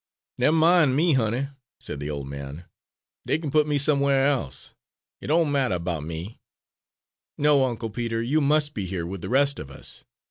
"Nem mine me, honey," said the old man, "dey can put me somewhar e'se. Hit doan' mattuh 'bout me." "No, Uncle Peter, you must be here with the rest of us.